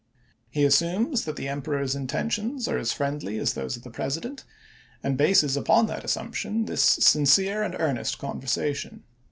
He assumes that the Emperor's intentions are as friendly as those of the President, MAXIMILIAN 403 and bases upon that assumption this sincere and chap. xiv. earnest conversation.